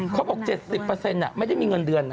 เขาบอก๗๐ไม่ได้มีเงินเดือนนะ